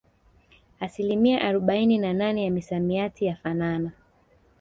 Asilimia arobaini na nane ya misamiati yafanana